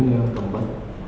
kemudian yang keempat